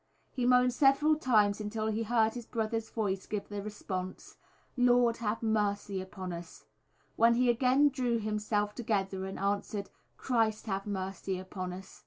He moaned several times, until he heard his brother's voice give the response, "Lord, have mercy upon us," when he again drew himself together and answered, "Christ, have mercy upon us."